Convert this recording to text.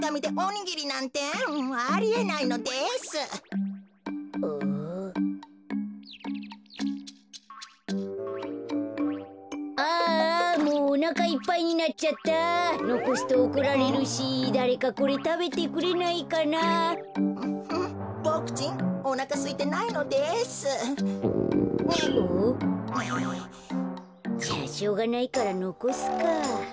グ。じゃあしょうがないからのこすか。